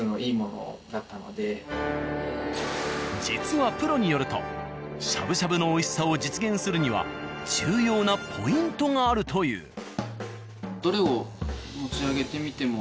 実はプロによるとしゃぶしゃぶの美味しさを実現するには重要なポイントがあるという。